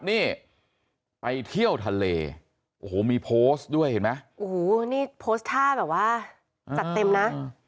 นี่ไปเที่ยวทะเลโอ้โหมีโพสต์ด้วยเห็นไหมโอ้โหนี่โพสต์ท่าแบบว่าจัดเต็มนะ